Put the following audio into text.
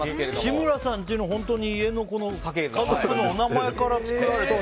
志村さんちの家の家族のお名前から作られた。